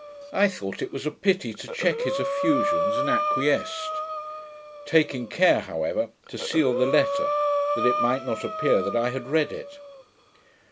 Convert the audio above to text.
I thought it was a pity to check his effusions, and acquiesced; taking care, however, to seal the letter, that it might not appear that I had read it.